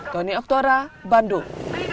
tony oktora bandung